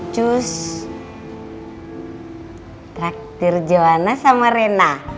cus traktir johana sama rena